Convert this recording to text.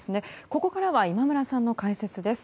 ここからは今村さんの解説です。